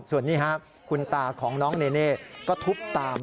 ส่วนนี้ครับคุณตาของน้องเนเน่ก็ทุบตาม